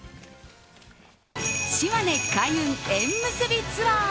島根・開運縁結びツアー！